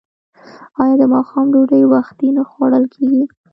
آیا د ماښام ډوډۍ وختي نه خوړل کیږي؟